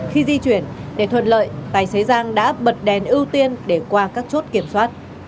khi di chuyển để thuận lợi tài xế giang đã bật đèn ưu tiên để qua các chốt kiểm soát